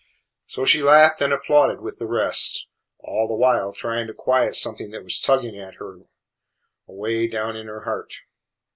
So she laughed and applauded with the rest, all the while trying to quiet something that was tugging at her away down in her heart.